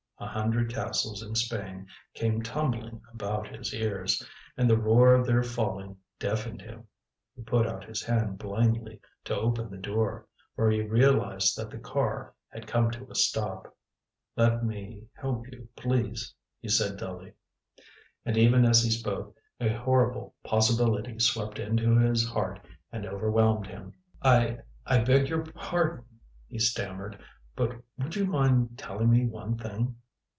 A hundred castles in Spain came tumbling about his ears, and the roar of their falling deafened him. He put out his hand blindly to open the door, for he realized that the car had come to a stop. "Let me help you, please," he said dully. And even as he spoke a horrible possibility swept into his heart and overwhelmed him. "I I beg your pardon," he stammered, "but would you mind telling me one thing?"